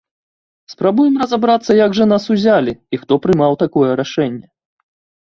Спрабуем разабрацца, як жа нас узялі і хто прымаў такое рашэнне.